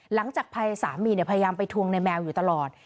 หลังจากภัยสามีพยายามไปทวงในแมวอยู่ตลอด